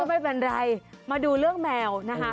ไม่เป็นไรมาดูเรื่องแมวนะคะ